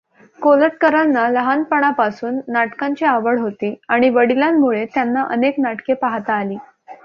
कोल्हटकरांना लहानपणापासून नाटकांची आवड होती आणि वडिलांमुळे त्यांना अनेक नाटके पाहता आली.